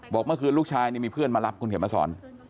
บอกเมื่อคืนลูกชายนี่มีเพื่อนมารับคุณเขียนมาสอน